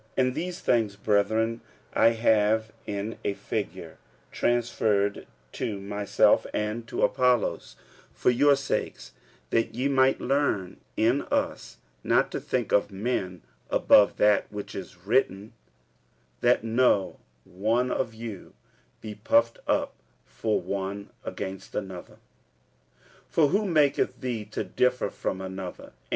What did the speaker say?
46:004:006 And these things, brethren, I have in a figure transferred to myself and to Apollos for your sakes; that ye might learn in us not to think of men above that which is written, that no one of you be puffed up for one against another. 46:004:007 For who maketh thee to differ from another?